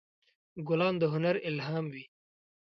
ګلان د هنر الهام وي.